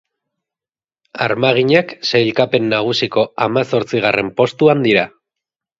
Armaginak sailkapen nagusiko hamazortzigarren postuan dira.